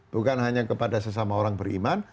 bukan hanya kepada sesama orang beriman